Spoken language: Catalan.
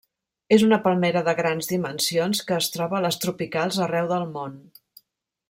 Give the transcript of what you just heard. És una palmera de grans dimensions que es troba a les tropicals arreu del món.